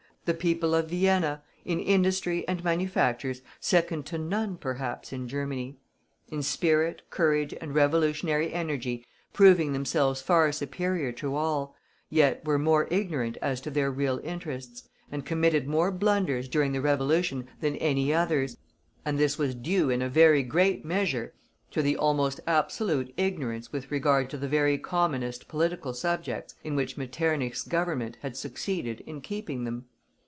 The people of Vienna, in industry and manufactures, second to none perhaps in Germany; in spirit, courage, and revolutionary energy, proving themselves far superior to all, were yet more ignorant as to their real interests, and committed more blunders during the Revolution than any others, and this was due in a very great measure to the almost absolute ignorance with regard to the very commonest political subjects in which Metternich's Government had succeeded in keeping them.